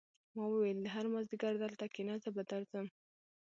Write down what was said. ما وویل هر مازدیګر دلته کېنه زه به درځم